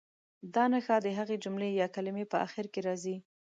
دا نښه د هغې جملې یا کلمې په اخر کې راځي.